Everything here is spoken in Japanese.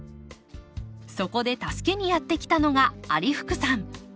そこで助けにやって来たのが有福さん。